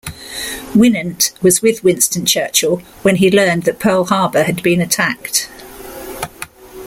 Winant was with Winston Churchill when he learned that Pearl Harbor had been attacked.